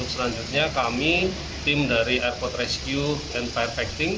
selanjutnya kami tim dari airport rescue and private facting